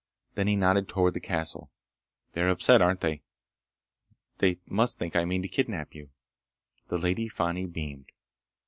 Then he nodded toward the castle. "They are upset, aren't they? They must think I mean to kidnap you." The Lady Fani beamed.